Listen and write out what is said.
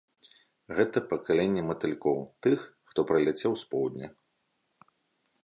Гэта пакаленне матылькоў, тых, хто прыляцеў з поўдня.